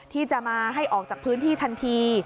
ที่จะมาให้ออกจากพื้นที่ทันที